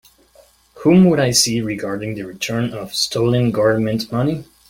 Whom would I see regarding the return of stolen Government money?